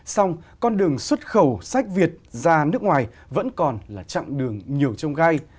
xong con đường xuất khẩu sách việt ra nước ngoài vẫn còn là chặng đường nhiều trông gai